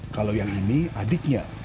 kalau yang ini adiknya